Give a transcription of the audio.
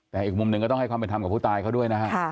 แต่อีกมุมหนึ่งก็ต้องให้ความเป็นธรรมกับผู้ตายเขาด้วยนะฮะ